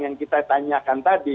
yang kita tanyakan tadi